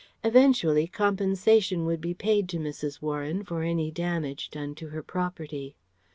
Eventually compensation would be paid to Mrs. Warren for any damage done to her property.